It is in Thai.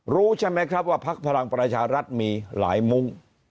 รู้ใช่ไหมครับว่าพักพลังประชารัฐมีหลายมุ้ง